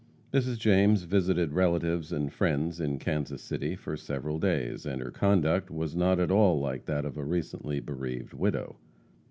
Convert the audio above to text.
Mrs. James visited relatives and friends in Kansas City for several days, and her conduct was not at all like that of a recently bereaved widow.